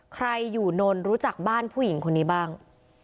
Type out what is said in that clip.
ใครอยู่นนรู้จักบ้านผู้หญิงคนนี้บ้าง